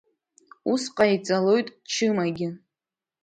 Ус ҟаиҵалоит Чымагьы.